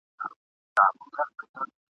بريالي به را روان وي ..